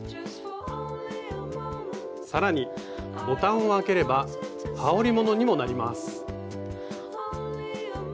更にボタンを開ければはおりものにもなります。